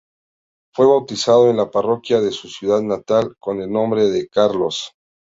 Fue bautizado en la parroquia de su ciudad natal con el nombre de Carlos.